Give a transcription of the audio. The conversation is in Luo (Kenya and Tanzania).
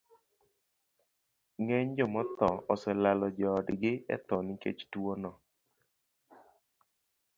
Ng'eny jomotho oselalo joodgi etho nikech tuwono.